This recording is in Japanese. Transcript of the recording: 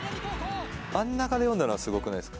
真ん中で読んだのはすごくないですか。